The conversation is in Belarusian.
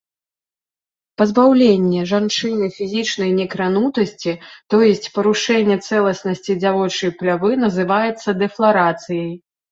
Пазбаўленне жанчыны фізічнай некранутасці, то есць парушэнне цэласнасці дзявочай плявы, называецца дэфларацыяй.